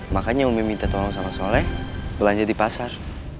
makanya umi minta tolong sama soleh belanja di pasar